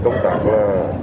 tống thì ngay quá